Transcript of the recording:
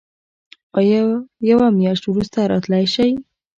ایا یوه میاشت وروسته راتلی شئ؟